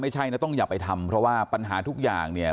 ไม่ใช่นะต้องอย่าไปทำเพราะว่าปัญหาทุกอย่างเนี่ย